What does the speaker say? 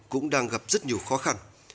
cũng đang gặp rất nhiều khó khăn